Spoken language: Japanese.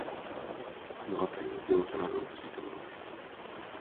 あのあたりの情緒などをきいたものです